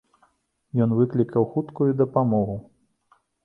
Ён выклікаў хуткую дапамогу.